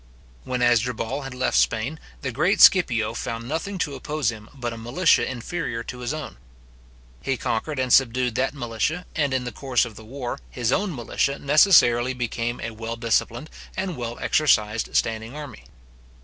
When Asdrubal had left Spain, the great Scipio found nothing to oppose him but a militia inferior to his own. He conquered and subdued that militia, and, in the course of the war, his own militia necessarily became a well disciplined and well exercised standing army.